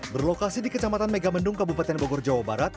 berlokasi di kecamatan megamendung kabupaten bogor jawa barat